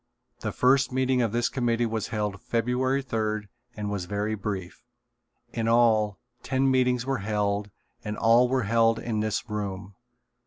The first meeting of this committee was held February third and was very brief. In all, ten meetings were held and all were held in this room.